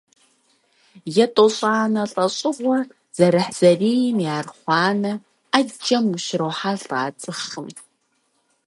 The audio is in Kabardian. ЕтӀощӀанэ лӀэщӀыгъуэ зэрыхьзэрийм и архъуанэ Ӏэджэм ущрохьэлӀэ а цӀыхум.